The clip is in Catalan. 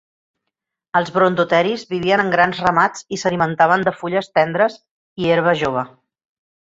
Els brontoteris vivien en grans ramats i s'alimentaven de fulles tendres i herba jove.